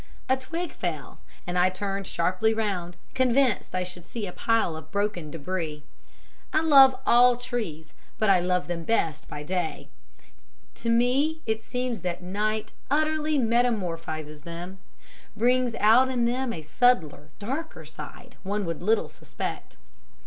A twig fell, and I turned sharply round, convinced I should see a pile of broken debris. I love all trees, but I love them best by day to me it seems that night utterly metamorphizes them brings out in them a subtler, darker side one would little suspect.